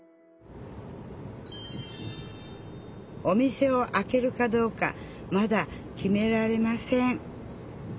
お店をあけるかどうかまだ決められません。